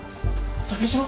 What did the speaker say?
武四郎？